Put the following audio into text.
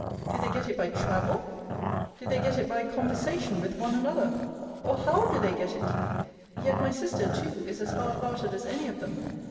Do they get it by travel? Do they get it by conversation with one another? Or how do they get it? Yet my sister, too, is as hard hearted as any of them.